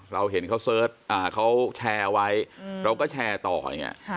เราเห็นเขาเสิร์ชเขาแชร์ไว้เราก็แชร์ต่ออย่างนี้